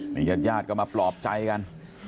นี่ญาติญาติก็มาปลอบใจกัน